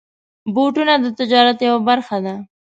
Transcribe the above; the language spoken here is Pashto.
بوټونه د تجارت یوه برخه ده.